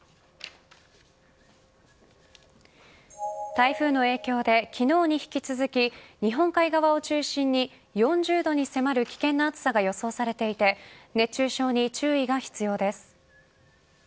台風の影響で昨日に引き続き日本海側を中心に４０度に迫る危険な暑さが予想されていて熱中症に注意が必要です。